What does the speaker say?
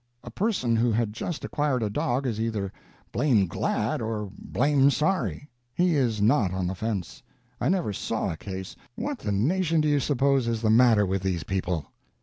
A person who had just acquired a dog is either blame' glad or blame' sorry. He is not on the fence. I never saw a case. What the nation do you suppose is the matter with these people?"